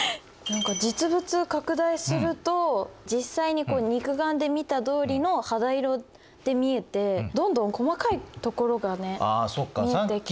実物拡大すると実際に肉眼で見たとおりの肌色で見えてどんどん細かいところがね見えてきて。